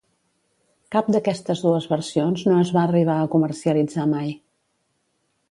Cap d'aquestes dues versions no es va arribar a comercialitzar mai.